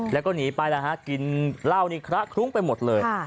แล้วก็หนีไปแล้วฮะกินเหล้านี่คละคลุ้งไปหมดเลย